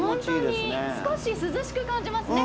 本当に少し涼しく感じますね